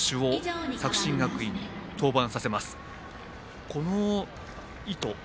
ここで磯投手を作新学院登板させます。